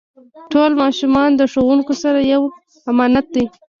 ټول ماشومان د ښوونکو سره یو امانت دی.